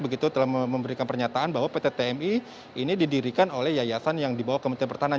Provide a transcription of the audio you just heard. begitu telah memberikan pernyataan bahwa pt tmi ini didirikan oleh yayasan yang dibawa kementerian pertahanan